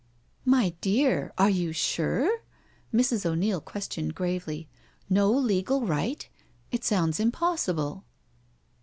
"My dear, are you sure?" Mrs. O'Neil questioned gravely. "No legal right! It sounds impossible."